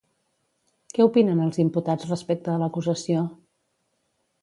Què opinen els imputats respecte a l'acusació?